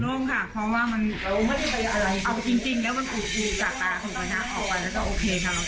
โล่งค่ะเพราะว่ามันเอาจริงจริงแล้วมันถูกดูจากตาของกำแพงบ้านออกไปแล้วก็โอเคค่ะ